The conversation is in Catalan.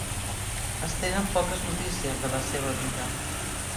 Es tenen poques notícies de la seva vida.